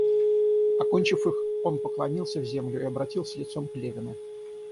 Окончив их, он поклонился в землю и обратился лицом к Левину.